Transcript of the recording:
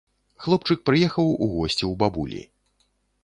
Хлопчык прыехаў у госці ў бабулі.